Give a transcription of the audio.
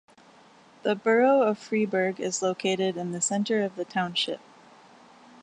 The borough of Freeburg is located in the center of the township.